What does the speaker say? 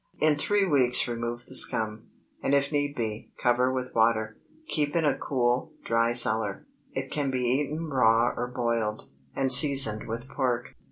In three weeks remove the scum, and if need be, cover with water. Keep in a cool, dry cellar. It can be eaten raw or boiled, and seasoned with pork.